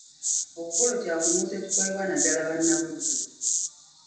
Obugolo kya kunuusa ekikolebwa naddala Bannabuddu .